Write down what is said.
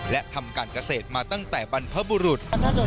และทำการเกษตรมาตั้งแต่บรรพบุรุษ